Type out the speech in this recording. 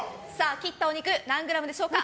切ったお肉何グラムでしょうか。